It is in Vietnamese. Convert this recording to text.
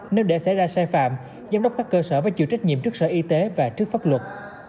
nếu để xảy ra sai phạm giám đốc các cơ sở phải chịu trách nhiệm trước sở y tế và trước pháp luật